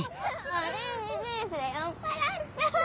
オレンジジュースで酔っぱらった！